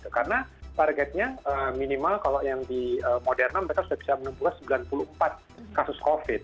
karena targetnya minimal kalau yang di moderna mereka sudah bisa menemukan sembilan puluh empat kasus covid